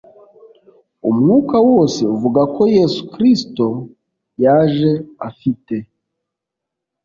umwuka wose uvuga ko Yesu Kristo yaje afite